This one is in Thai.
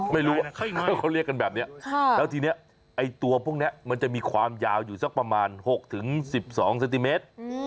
ไม่รู้ว่าเขาเรียกกันแบบนี้แล้วทีนี้ไอ้ตัวพวกนี้มันจะมีความยาวอยู่สักประมาณ๖๑๒เซนติเมตร